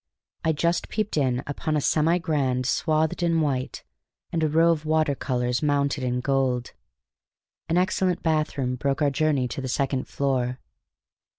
I just peeped in upon a semi grand swathed in white and a row of water colors mounted in gold. An excellent bathroom broke our journey to the second floor.